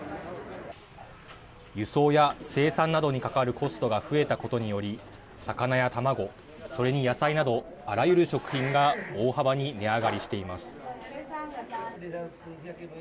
輸送や生産などにかかるコストが増えたことにより魚や卵、それに野菜などあらゆる食品が大幅に値上がりしています。